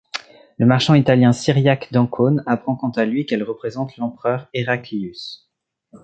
Le marchand italien Cyriaque d'Ancône apprend quant à lui qu'elle représente l'empereur Héraclius.